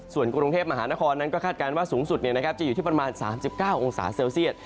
ส่วนกรุงเทพมหานครนั้นก็คาดการณ์ว่าสูงสุดจะอยู่ที่ประมาณ๓๙องศาเซลเซียต